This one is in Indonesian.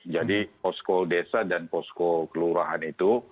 jadi posko desa dan posko kelurahan itu